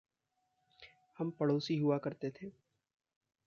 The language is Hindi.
हम पड़ोसी हुआ करते थे।